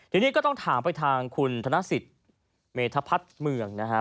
ทีนี้ก็ต้องถามไปทางคุณธนสิทธิ์เมธพัฒน์เมืองนะครับ